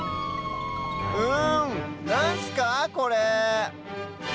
うんなんすかこれ？